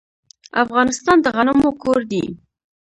افغانستان د غنمو کور دی.